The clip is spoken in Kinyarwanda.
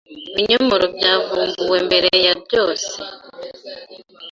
Ibinyomoro byavumbuwe mbere ya byose